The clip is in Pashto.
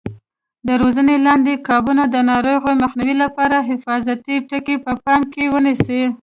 د روزنې لاندې کبانو د ناروغیو مخنیوي لپاره حفاظتي ټکي په پام کې ونیسئ.